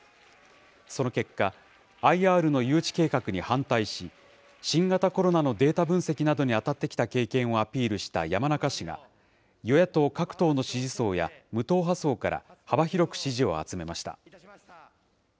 その結果、ＩＲの誘致計画に反対し、新型コロナのデータ分析などに当たってきた経験をアピールした山中氏が、与野党各党の支持層や無党派層から幅広く支持を集めました。